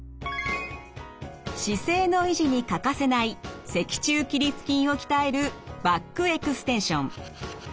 姿勢の維持にかかせない脊柱起立筋を鍛えるバックエクステンション。